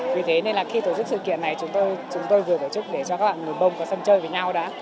vì thế nên là khi tổ chức sự kiện này chúng tôi vừa tổ chức để cho các bạn mùa bông có sân chơi với nhau đã